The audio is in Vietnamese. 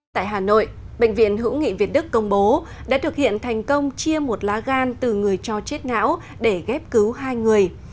tại hà nội bệnh viện hữu nghị việt đức công bố đã thực hiện thành công chia một lá gan từ người cho chết não để ghép cứu hai người